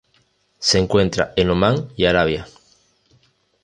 Se encuentra en Omán y Arabia.